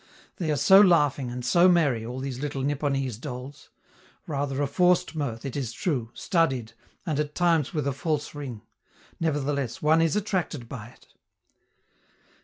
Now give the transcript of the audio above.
They are so laughing, and so merry, all these little Nipponese dolls! Rather a forced mirth, it is true, studied, and at times with a false ring; nevertheless one is attracted by it.